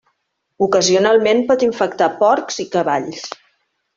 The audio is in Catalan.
Ocasionalment, pot infectar porcs i cavalls.